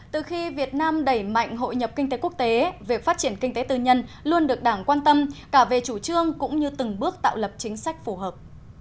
từ khi việt nam đẩy mạnh hội nhập kinh tế quốc tế việc phát triển kinh tế tư nhân luôn được đảng quan tâm cả về chủ trương cũng như từng bước tạo lập chính sách phù hợp